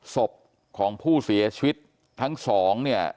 ศพของผู้เสียชีวิตทั้งสองเนี่ย